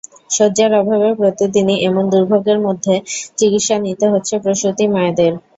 শয্যার অভাবে প্রতিদিনই এমন দুর্ভোগের মধ্যে চিকিৎসা নিতে হচ্ছে প্রসূতি মায়েদের।